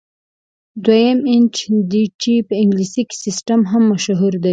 دویم د انچ سیسټم دی چې په انګلیسي سیسټم هم مشهور دی.